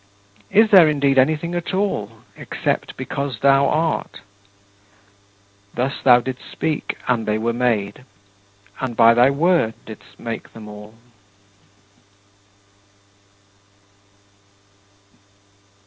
Is there, indeed, anything at all except because thou art? Thus thou didst speak and they were made, and by thy Word thou didst make them all.